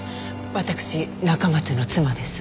私中松の妻です。